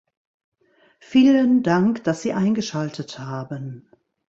Vielen Dank, dass Sie eingeschaltet haben!